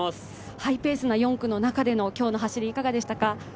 ハイペースな４区の中での今日の走り、いかがでしたか？